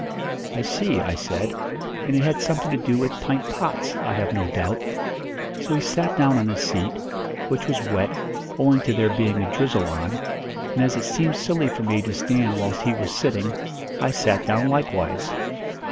'I see,' I said, 'and it had something to do with pint pots, I have no doubt.' So he sat down on a seat, which was wet, owing to there being a drizzle on, and as it seemed silly for me to stand whilst he was sitting, I sat down likewise.